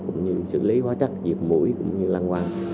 cũng như xử lý hóa chất diệt mũi cũng như lăng quăng